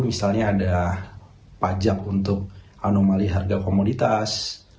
misalnya ada pajak untuk anomali harga komoditas